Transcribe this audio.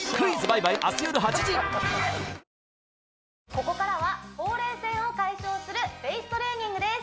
ここからはほうれい線を解消するフェイストレーニングです